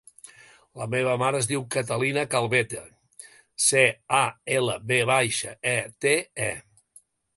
La meva mare es diu Catalina Calvete: ce, a, ela, ve baixa, e, te, e.